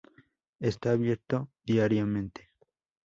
Está abierto diariamente.